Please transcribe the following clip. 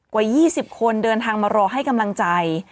กว่า๒๐คนเดินทางมารอให้กำลังใจ